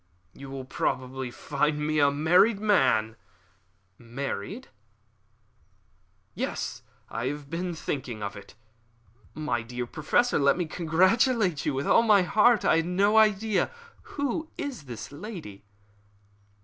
"You will probably find me a married man." "Married!" "Yes, I have been thinking of it." "My dear Professor, let me congratulate you with all my heart. I had no idea. Who is the lady?"